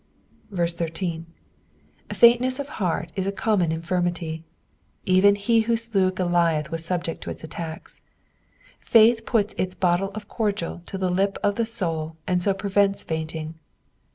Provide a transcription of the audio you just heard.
18. Faintnessof heart is a common infirmity ; even he who slew Ooliath was sub ject to its attacks. Faith pnts its bottle of cordial to the lip of the soul, and so prcrents fainting.